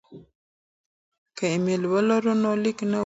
که ایمیل ولرو نو لیک نه ورکيږي.